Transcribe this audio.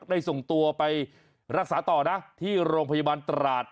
ได้ส่งตัวไปรักษาต่อนะที่โรงพยาบาลตราด